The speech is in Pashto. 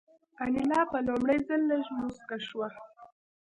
انیلا په لومړي ځل لږه موسکه شوه